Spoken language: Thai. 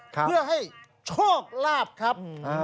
เพื่อให้โชคลาภครับ